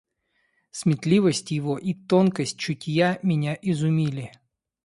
Сметливость его и тонкость чутья меня изумили.